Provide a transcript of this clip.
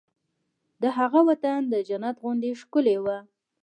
د هغه وطن د جنت غوندې ښکلی و